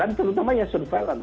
dan terutama surveillance